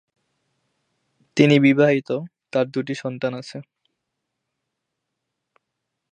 তিনি বিবাহিত, তার দুটি সন্তান আছে।